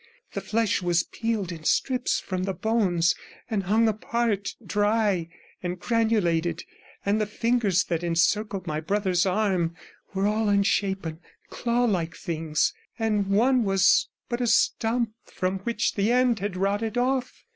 The flesh was peeled in strips from the bones, and hung apart dry and granulated, and the fingers that encircled my brother's arm were all unshapen, claw like things, and one was but a stump from which the end had rotted off.